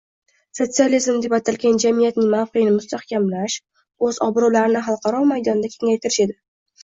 “Sotsializm” deb atalgan jamiyatning mavqeini mustahkamlash, oʻz obroʻlarini xalqaro maydonda kengaytirish edi.